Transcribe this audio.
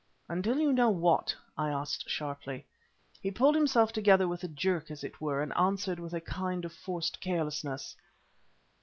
"Until you know what?" I asked, sharply. He pulled himself together with a jerk, as it were, and answered with a kind of forced carelessness.